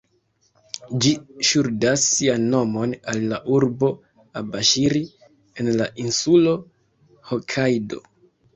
Ĝi ŝuldas sian nomon al la urbo Abaŝiri en la insulo Hokajdo.